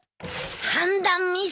判断ミス。